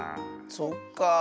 そっかあ。